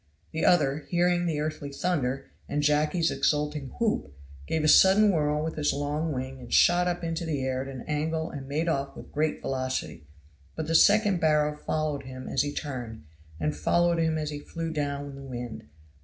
The other, hearing the earthly thunder and Jacky's exulting whoop, gave a sudden whirl with his long wing and shot up into the air at an angle and made off with great velocity; but the second barrel followed him as he turned and followed him as he flew down the wind.